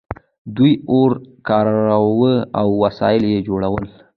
دوی اور کاراوه او وسایل یې جوړول.